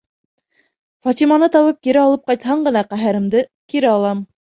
Фатиманы табып кире алып ҡайтһаң ғына, ҡәһәремде кире алам.